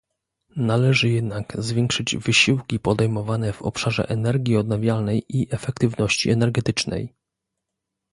Należy jednak zwiększyć wysiłki podejmowane w obszarze energii odnawialnej i efektywności energetycznej